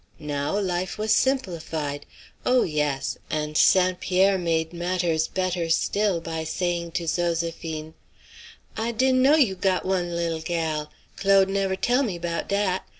Now life was simplified. Oh, yes; and St. Pierre made matters better still by saying to Zoséphine: "I dinn' know you got one lill gal. Claude never tell me 'bout dat.